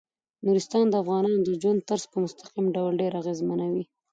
نورستان د افغانانو د ژوند طرز په مستقیم ډول ډیر اغېزمنوي.